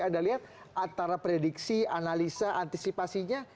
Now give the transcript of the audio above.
anda lihat antara prediksi analisa antisipasinya